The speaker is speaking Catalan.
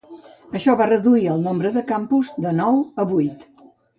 Això va reduir el nombre de campus, de nou a vuit.